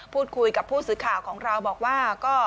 พูดคุยกับผู้สื่อข่าวของเราบอกว่า